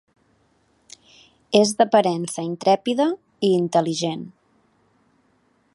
És d'aparença intrèpida i intel·ligent.